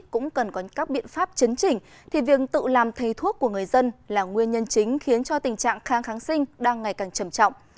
cũng cần có các biện pháp chấn chỉnh thì việc tự làm thầy thuốc của người dân là nguyên nhân chính khiến cho tình trạng kháng kháng sinh đang ngày càng trầm trọng